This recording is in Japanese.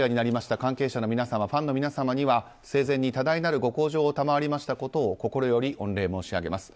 関係者の皆様ファンの皆様には生前に多大なるご厚情を賜りましたことを心より御礼申し上げます。